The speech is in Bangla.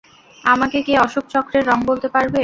আমাকে কে অশোক চক্রের রং বলতে পারবে?